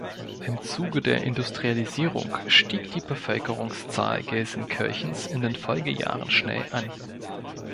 Im Zuge der Industrialisierung stieg die Bevölkerungszahl Gelsenkirchens in den Folgejahren schnell an.